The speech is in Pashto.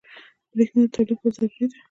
بریښنا د تولید لپاره ضروري ده.